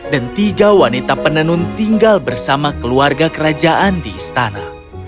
dan tiga wanita penenun tinggal bersama keluarga kerajaan di istana